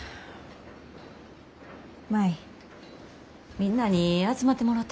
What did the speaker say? みんなに集まってもろて。